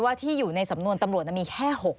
ที่อยู่ในสำนวนตำรวจมีแค่๖๐